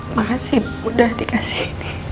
makasih udah dikasih